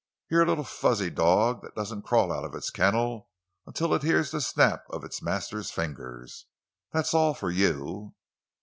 You're a little fuzzy dog that doesn't crawl out of its kennel until it hears the snap of its master's fingers! That's all for you!"